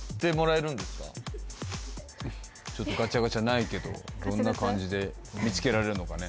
えっちょっとガチャガチャないけどどんな感じで見つけられるのかね